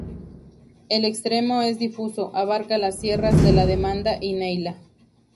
El extremo es difuso, abarca las Sierras de la Demanda y Neila.